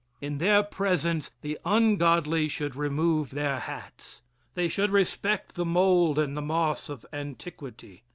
In their presence the ungodly should remove their hats. They should respect the mould and moss of antiquity.